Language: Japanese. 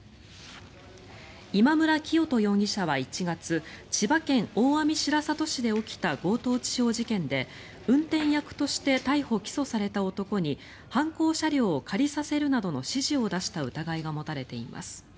今村磨人容疑者は１月千葉県大網白里市で起きた強盗致傷事件で、運転役として逮捕・起訴された男に犯行車両を借りさせるなどの指示を出した疑いが持たれています。